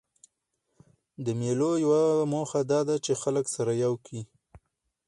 د مېلو یوه موخه دا ده، چي خلک سره یو کي.